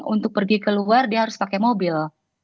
untuk pergi keluar dia harus pakai mobil